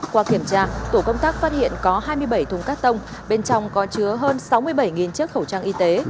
qua kiểm tra tổ công tác phát hiện có hai mươi bảy thùng cắt tông bên trong có chứa hơn sáu mươi bảy chiếc khẩu trang y tế